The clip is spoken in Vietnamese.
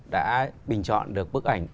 đã bình chọn được bức ảnh